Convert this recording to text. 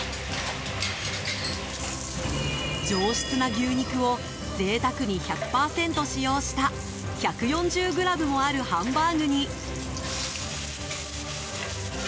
上質な牛肉を贅沢に１００％使用した１４０ｇもあるハンバーグに。